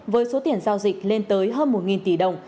với số tiền giao dịch lên tới hơn một tỷ đồng